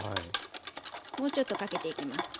もうちょっとかけていきます。